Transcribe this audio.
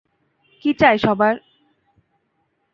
কী চাই সবার?